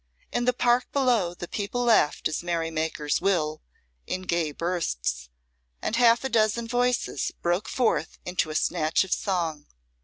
In the park below the people laughed as merry makers will, in gay bursts, and half a dozen voices broke forth into a snatch of song.